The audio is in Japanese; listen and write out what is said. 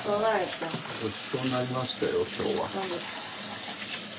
ごちそうになりましたよ今日は。